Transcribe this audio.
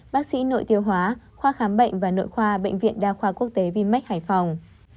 bác sĩ nội tiêu hóa khoa khám bệnh và nội khoa bệnh viện đa khoa quốc tế vimec hải phòng